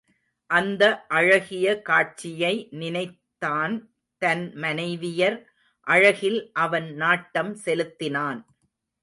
அந்த அழகிய காட்சியை நினைத்தான் தன் மனைவியர் அழகில் அவன் நாட்டம் செலுத்தினான்.